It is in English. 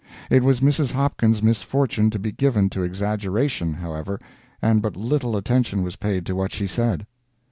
It was Mrs. Hopkins' misfortune to be given to exaggeration, however, and but little attention was paid to what she said.